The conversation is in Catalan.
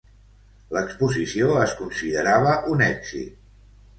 L'exposició es considerava un èxit.